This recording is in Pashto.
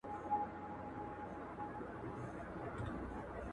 دوی ئې پتارۍ بولي ولاړو